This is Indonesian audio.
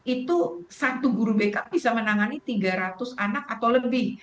itu satu guru backup bisa menangani tiga ratus anak atau lebih